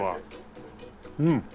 うん！